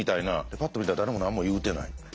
パッと見たら誰も何も言うてない。